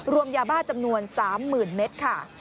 รวมยาบ้าจำนวน๓๐๐๐เมตรค่ะ